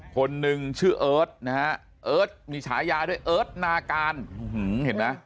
คนหนึ่งชื่อเอิร์ทนะฮะเอิร์ทมีฉายาด้วยเอิร์ทนาการเห็นไหม